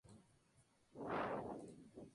Lotta es el personaje de que menos se sabe.